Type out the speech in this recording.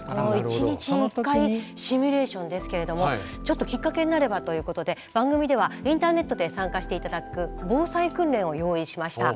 １日１回シミュレーションですけれどもちょっときっかけになればということで番組ではインターネットで参加していただく防災訓練を用意しました。